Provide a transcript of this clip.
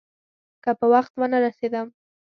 که په وخت ونه رسېدم.